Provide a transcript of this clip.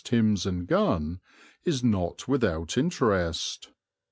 Timbs and Gunn, is not without interest.